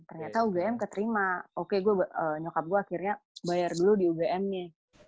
ternyata ugm keterima oke gue nyokap gue akhirnya bayar dulu di ugm nya